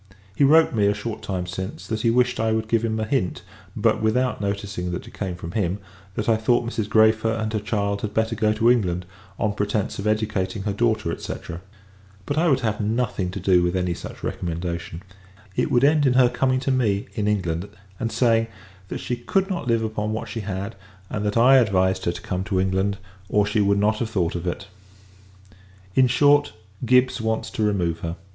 He wrote me, a short time since, that he wished I would give him a hint (but without noticing that it came from him) that I thought Mrs. Græfer and her child had better go to England; on pretence of educating her daughter, &c. But I would have nothing to do with any such recommendation. It would end in her coming to me, in England; and saying, that she could not live upon what she had, and that I advised her to come to England, or she should not have thought of it. In short, Gibbs wants to remove her.